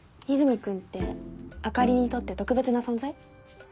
君ってあかりにとって特別な存在？